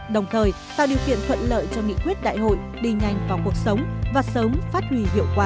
đồng thời tạo điều kiện thuận lợi cho nghị quyết đại hội đi nhanh vào cuộc sống và sớm phát huy hiệu quả